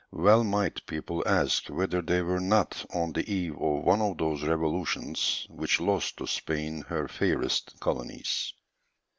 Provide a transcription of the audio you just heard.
Well might people ask whether they were not on the eve of one of those revolutions which lost to Spain her fairest colonies.